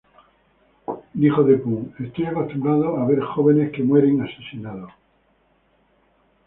Dijo de Pun: "Estoy acostumbrado a ver jóvenes que mueren asesinados.